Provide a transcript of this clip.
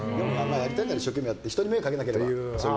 やりたいなら一生懸命やって人に迷惑かけなければと。